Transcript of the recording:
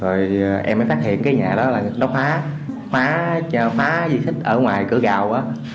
rồi em mới phát hiện cái nhà đó là nó khóa khóa gì xích ở ngoài cửa gạo